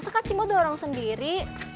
masa kak cimu doorang sendiri